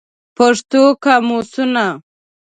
پښتو قاموسونه